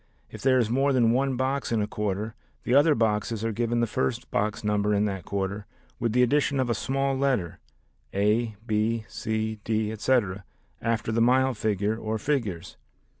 If there is more than one box in a quarter, the other boxes are given the first box number in that quarter with the addition of a small letter a, b, c, d, etc., after the mile figure or figures.